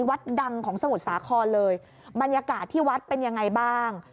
วัดดังของสมุทรสาครเลยบรรยากาศที่วัดเป็นยังไงบ้าง